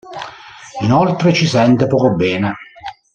Inoltre ci sente poco bene.